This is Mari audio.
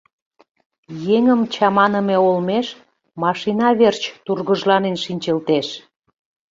«Еҥым чаманыме олмеш, машина верч тургыжланен шинчылтеш.